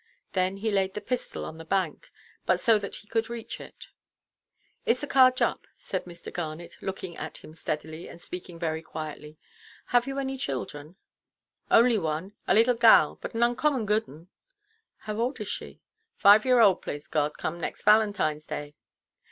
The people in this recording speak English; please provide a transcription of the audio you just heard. Then he laid the pistol on the bank; but so that he could reach it. "Issachar Jupp," said Mr. Garnet, looking at him steadily, and speaking very quietly; "have you any children?" "Only one—a leetle gal, but an oncommon good un." "How old is she?" "Five year old, plase God, come next Valentineʼs Day."